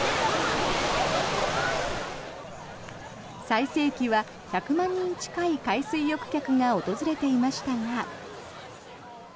最盛期は１００万人近い海水浴客が訪れていましたが。